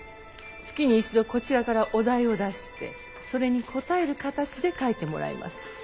月に一度こちらからお題を出してそれに答える形で書いてもらいます。